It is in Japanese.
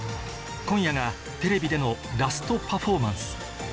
今夜がテレビでのラストパフォーマンス